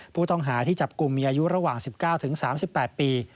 ผู้ต้องหาที่จับกลุ่มมีอายุระหว่าง๑๙๓๘ปี